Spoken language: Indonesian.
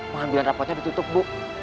paham ambil rapornya ditutup bu